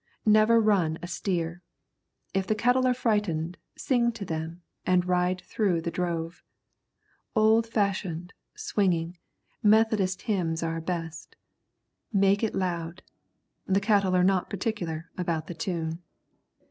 Never run a steer. If the cattle are frightened, sing to them, and ride through the drove. Old fashioned, swinging, Methodist hymns are best. Make it loud. The cattle are not particular about the tune.